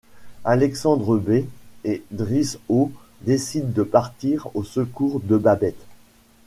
Alexandre.B et Bryss.O décident de partir au secours de Babette.